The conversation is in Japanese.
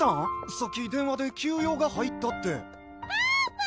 さっき電話で「急用が入った」ってばぁば！